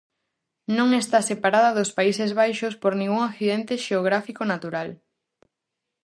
Non está separada dos Países Baixos por ningún accidente xeográfico natural.